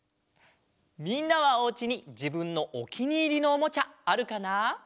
みんなはおうちにじぶんのおきにいりのおもちゃあるかな？